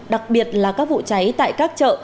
đặc biệt là các vụ cháy tại các chợ